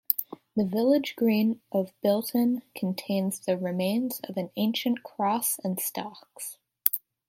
The village green of Bilton contains the remains of an ancient cross and stocks.